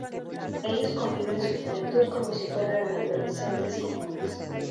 Ellos conviven su juventud como si fueran adolescentes comunes.